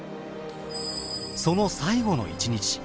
その最後の一日。